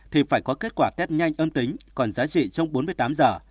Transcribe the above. thì phải có kết quả test nhanh âm tính còn giá trị trong bốn mươi tám giờ